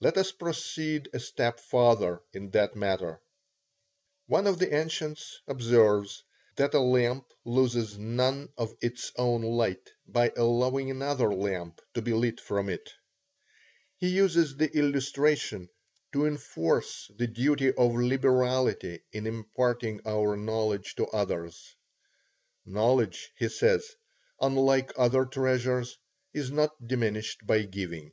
Let us proceed a step farther in this matter. One of the ancients observes that a lamp loses none of its own light by allowing another lamp to be lit from it. He uses the illustration to enforce the duty of liberality in imparting our knowledge to others. Knowledge, he says, unlike other treasures, is not diminished by giving.